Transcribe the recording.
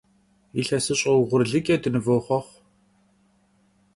Yilhesış'e vuğurlıç'e dınıvoxhuexhu!